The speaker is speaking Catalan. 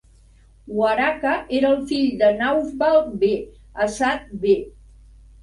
Waraka era el fill de Nawfal b. Asad b.